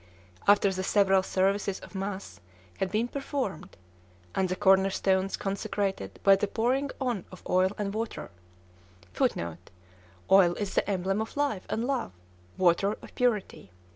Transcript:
After the several services of mass had been performed, and the corner stones consecrated by the pouring on of oil and water, [Footnote: Oil is the emblem of life and love; water, of purity.